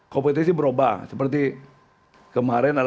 kompetisi berubah seperti kemarin